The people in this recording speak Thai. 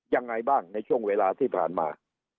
ยังไงบ้างในช่วงเวลาที่ผ่านมา